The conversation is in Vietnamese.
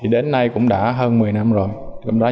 đến nay cũng đã hơn một mươi năm rồi